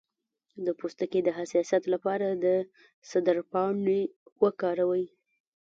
د پوستکي د حساسیت لپاره د سدر پاڼې وکاروئ